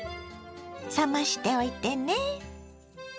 冷ましておいてね。